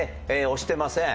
押してません。